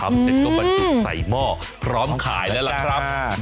เสร็จก็บรรจุใส่หม้อพร้อมขายแล้วล่ะครับ